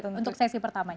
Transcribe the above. untuk sesi pertamanya